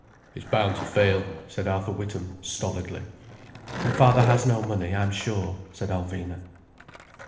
"It's bound to fail," said Arthur Witham stolidly. "And father has no money, I'm sure," said Alvina.